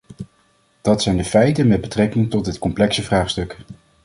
Dat zijn de feiten met betrekking tot dit complexe vraagstuk.